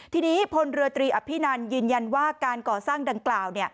ทีนี้พลเรือตรีอภินันยืนยันว่าการก่อสร้างดังกล่าว